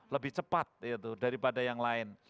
lebih cepat daripada yang lain